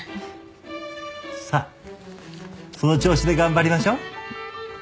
さあその調子で頑張りましょう。